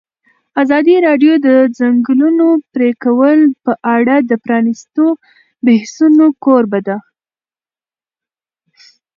ازادي راډیو د د ځنګلونو پرېکول په اړه د پرانیستو بحثونو کوربه وه.